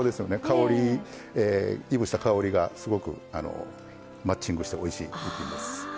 香りいぶした香りがすごくマッチングしておいしい一品です。